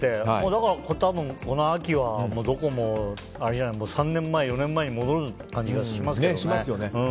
だから多分、この秋はどこも３年前、４年前に戻る感じがしますけどね。